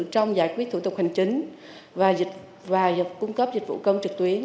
trong giải quyết thủ tục hành chính và cung cấp dịch vụ công trực tuyến